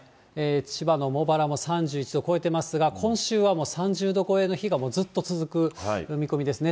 千葉も茂原も３１度超えてますが、今週はもう３０度超えの日がずっと続く見込みですね。